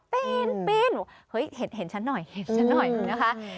ปีนเห็นฉันหน่อยคุณนะคะ